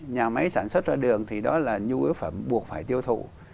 nhà máy sản xuất ra đường thì đó là nhu yếu phẩm buộc phải tiêu thụ